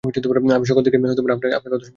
আমি সকল দিকে আপনাকে অত অসম্ভব খাটো করতে পারি নে।